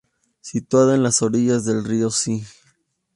Situada en las orillas del río Zi.